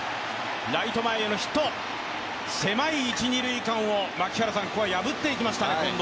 ライト前へのヒット、狭い一・二塁間を破っていきましたね、近藤。